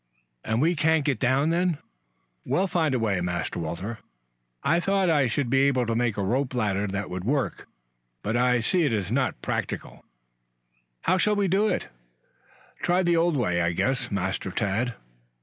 "And we can't get down, then?" "We'll find a way, Master Walter. I thought I should be able to make a rope ladder that would work, but I see it is not practicable." "How shall we do it?" "Try the old way, I guess, Master Tad."